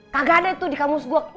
kagak ada tuh di kamus gue